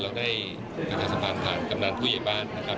เราได้ประทับสะพานผ่านกำหนังผู้เยี่ยมบ้านนะครับ